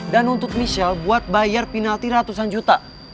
dan untuk michelle buat bayar penalti ratusan juta